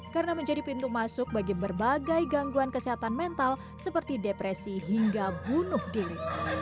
karena menjadi pintu masuk bagi berbagai gangguan kesehatan mental seperti depresi hingga bunuh diri